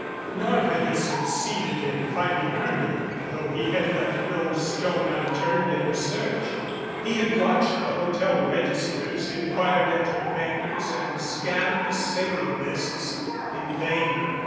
Nor had he succeeded in finding Hermia, though he had left no stone unturned in the search. He had watched the hotel registers, inquired at her bankers, and scanned the sailing lists in vain.